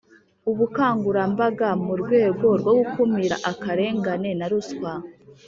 ubukangurambaga mu rwego rwo gukumira akarengane na ruswa